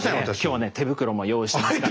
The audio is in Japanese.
今日はね手袋も用意してますからね。